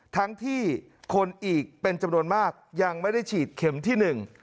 ทั้งที่คนอีกเป็นจำนวนมากยังไม่ได้ฉีดเข็มที่หนึ่ง